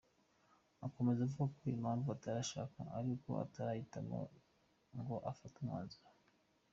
Akomeza avuga ko impamvu atarashaka ari uko atarahitamo ngo afate umwanzuro.